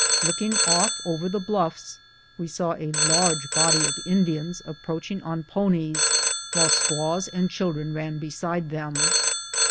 Look ing off over tlie bluffs we saw a large body of Indians approaching on ponies, while squaws and children ran beside them.